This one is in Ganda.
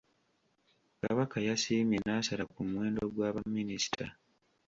Kabaka yasiimye n'asala ku muwendo gwa baminisita.